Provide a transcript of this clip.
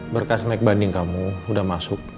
berkas naik banding kamu udah masuk